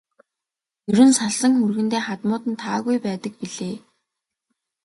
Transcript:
Ер нь салсан хүргэндээ хадмууд нь таагүй байдаг билээ.